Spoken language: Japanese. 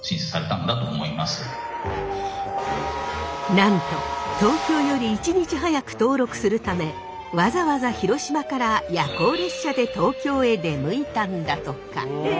なんと東京より１日早く登録するためわざわざ広島から夜行列車で東京へ出向いたんだとか。